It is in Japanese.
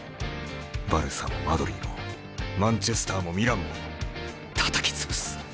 バルサもマドリーもマンチェスターもミランもたたき潰す。